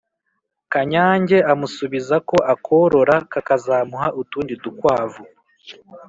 kanyange amusubiza ko akorora kakazamuha utundi dukwavu